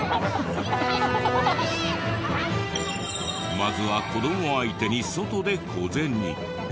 まずは子ども相手に外で小銭。